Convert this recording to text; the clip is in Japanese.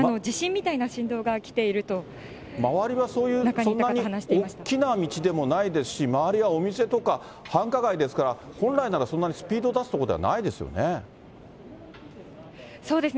周りはそんなに大きな道でもないですし、周りはお店とか、繁華街ですから、本来なら、そんなにスピード出す所じゃないですね。